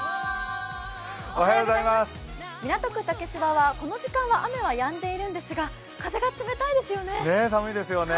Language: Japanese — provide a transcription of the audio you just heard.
港区竹芝は、この時間は雨はやんでいるんですが、風が冷たいですよね。